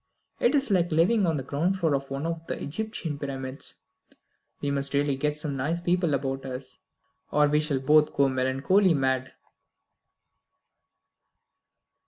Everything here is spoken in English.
It is like living on the ground floor of one of the Egyptian pyramids. We must really get some nice people about us, or we shall both go melancholy mad."